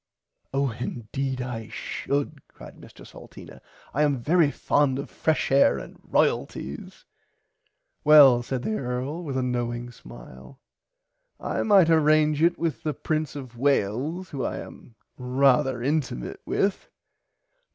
Oh indeed I should cried Mr Salteena I am very fond of fresh air and royalties. Well said the earl with a knowing smile [Pg 58] I might arrange it with the prince of Wales who I am rarther intimate with.